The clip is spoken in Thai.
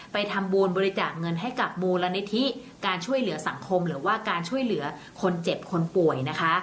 ไปทำบุญบริจาคเงินให้กับมูลนิธิการช่วยเหลือสังคมหรือว่าการช่วยเหลือคนเจ็บคนป่วยนะคะ